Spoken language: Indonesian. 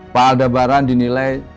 pak aldabaran dinilai